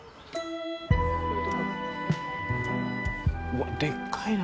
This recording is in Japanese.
うわっでっかいな。